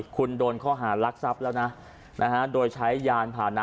คุณโดนข้อหารักทรัพย์แล้วนะโดยใช้ยานผ่านนะ